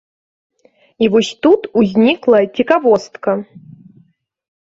І вось тут узнікла цікавостка.